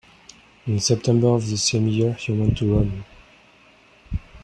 In September of the same year he went to Rome.